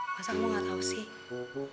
masa kamu gak tau sih